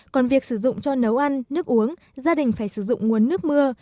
còn việc sử dụng cho nấu ăn nước uống gia đình phải sử dụng nguồn nước mưa